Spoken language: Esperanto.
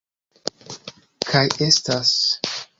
Kaj estas